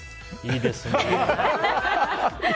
いいですね。